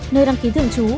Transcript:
nơi đăng ký thưởng chú